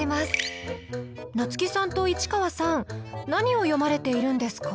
夏木さんと市川さん何を読まれているんですか？